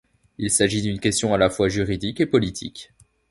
Il s'agit d'une question à la fois juridique et politique.